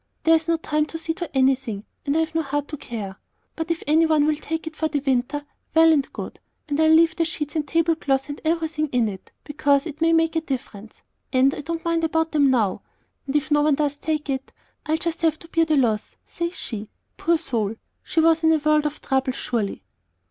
There's no time to see to anything, and I've got no heart to care; but if any one'll take it for the winter, well and good; and I'll leave the sheets and table cloths and everything in it, because it may make a difference, and I don't mind about them nohow. And if no one does take it, I'll just have to bear the loss,' says she. Poor soul! she was in a world of trouble, surely."